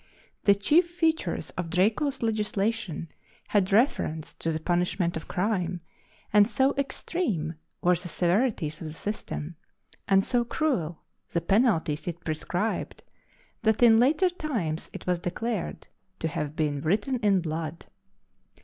The chief features of Draco's legislation had reference to the punishment of crime, and so extreme were the severities of the system and so cruel the penalties it prescribed that in later times it was declared to have been written in blood.